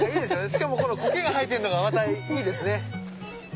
しかもこの苔が生えてるのがまたいいですね。